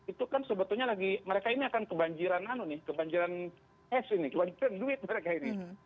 itu kan sebetulnya lagi mereka ini akan kebanjiran anu nih kebanjiran es ini kebanjiran duit mereka ini